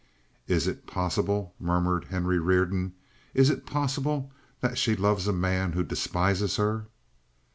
"Is it possible?" murmured Henry Reardon. "Is it possible that she loves a man who despises her?"